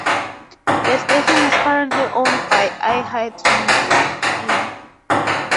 The station is currently owned by iHeartMedia, In.